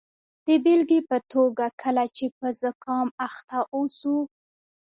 د بیلګې په توګه کله چې په زکام اخته اوسو.